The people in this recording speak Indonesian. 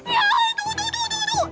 ya itu itu itu itu itu